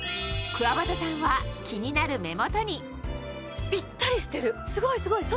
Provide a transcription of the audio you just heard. くわばたさんは気になる目元にすごいすごい。